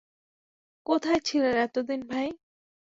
কোথায় ছিলে এতদিন, ভাই?